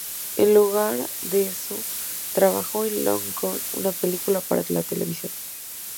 En lugar de eso trabajó en "Long Gone", una película para la televisión.